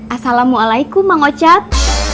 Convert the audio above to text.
asalamualaikum mang ocat